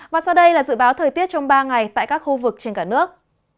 và sau đây là dự báo thời tiết trong ba ngày tại các khu vực trên cả nước